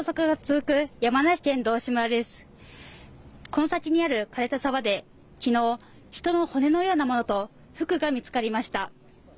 この先にある枯れた沢できのう人の骨のようなものと服が見つかりました